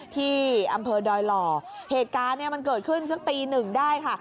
ที่อำเภอดอยหล่อเหตุการณ์เนี่ยมันเกิดขึ้นสักตีหนึ่งได้ค่ะ